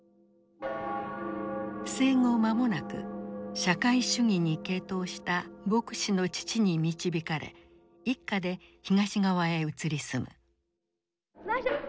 生後間もなく社会主義に傾倒した牧師の父に導かれ一家で東側へ移り住む。